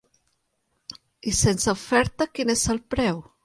I sense oferta, quin és el preu?